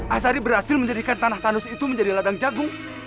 asari berhasil menjadikan tanah tandus itu menjadi ladang jagung